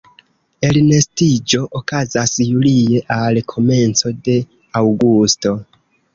Elnestiĝo okazas julie al komenco de aŭgusto.